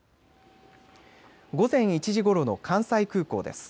午前１時ごろの関西空港です。